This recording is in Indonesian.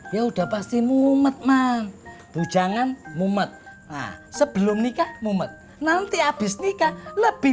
ya udah pasti mumet man bujangan mumet nah sebelum nikah mumet nanti abis nikah lebih